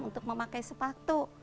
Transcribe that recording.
untuk memakai sepatu